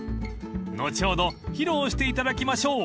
［後ほど披露していただきましょう］